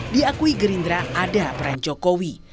diakui gerindra ada peran jokowi